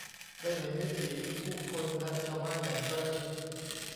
ได้เห็นวิถีผู้คนและชาวบ้านอย่างใกล้ชิด